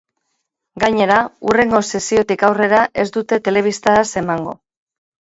Gainera, hurrengo sesiotik aurrera, ez dute telebistaz emango.